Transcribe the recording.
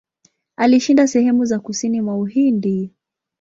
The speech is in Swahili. Alishinda sehemu za kusini mwa Uhindi.